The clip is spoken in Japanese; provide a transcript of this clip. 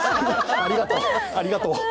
ありがとう。